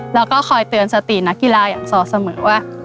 แล้วก็คอยเตือนสตินักกีฬาอย่างสอเสมอว่า